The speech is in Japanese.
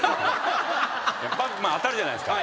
当たるじゃないですか。